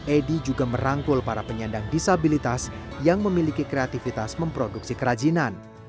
edy juga merangkul para penyandang disabilitas yang memiliki kreativitas memproduksi kerajinan